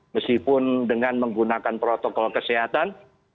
meskipun dengan menggunakan protokol kesehatan